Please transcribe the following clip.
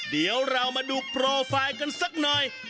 เดี๋ยวเรามาดูโปรไฟล์กันสักหน่อย